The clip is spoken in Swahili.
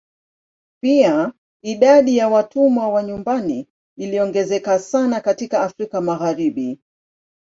Pia idadi ya watumwa wa nyumbani iliongezeka sana katika Afrika Magharibi.